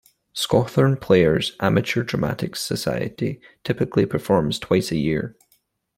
Scothern Players amateur dramatics society typically perform twice a year.